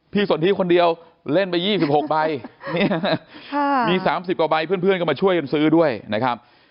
สนทิคนเดียวเล่นไป๒๖ใบมี๓๐กว่าใบเพื่อนก็มาช่วยกันซื้อด้วยนะครับ